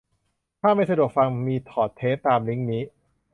ถ้าไม่สะดวกฟัง มีถอดเทปตามลิงก์นี้